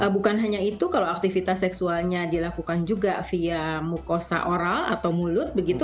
bukan hanya itu kalau aktivitas seksualnya dilakukan juga via mukosa oral atau mulut